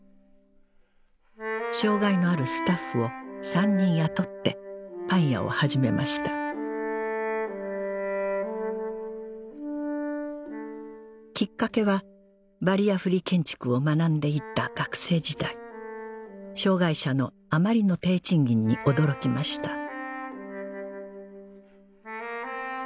障害のあるスタッフを３人雇ってパン屋を始めましたきっかけはバリアフリー建築を学んでいた学生時代障害者のあまりの低賃金に驚きました